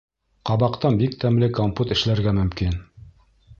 Ҡабаҡтан бик тәмле компот эшләргә мөмкин.